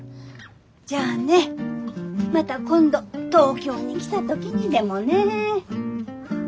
じゃあねまた今度東京に来た時にでもね。